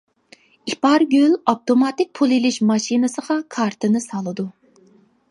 ئىپارگۈل ئاپتوماتىك پۇل ئېلىش ماشىنىسىغا كارتىنى سالىدۇ.